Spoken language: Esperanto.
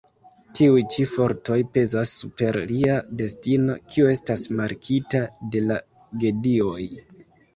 Tiuj ĉi fortoj pezas super lia destino, kiu estas markita de la gedioj.